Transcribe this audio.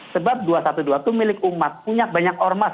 sebab dua ratus dua belas itu milik umat punya banyak ormas